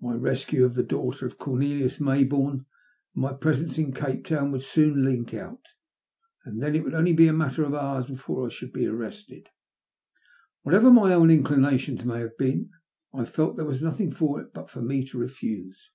My rescue of the daughter of Cornelius Maybourne, and my presence in Cape Town, would soon leak out, and then it would be only a matter of hours before I should be arrested. Wliatever my own inclinations may have been, I felt there was nothing for it but for me to refuse.